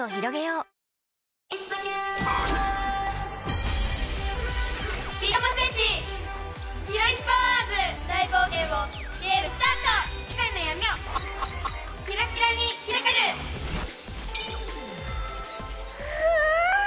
うわ！